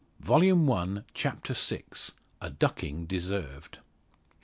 Volume One, Chapter VI. A DUCKING DESERVED.